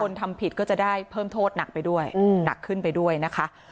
ทำผิดก็จะได้เพิ่มโทษหนักไปด้วยหนักขึ้นไปด้วยนะคะ